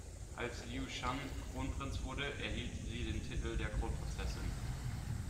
Als Liu Shan Kronprinz wurde, erhielt sie den Titel der Kronprinzessin.